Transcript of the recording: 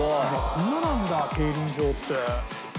こんななんだ競輪場って。